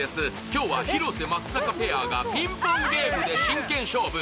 今日は広瀬・松坂ペアがピンポンゲームで真剣勝負。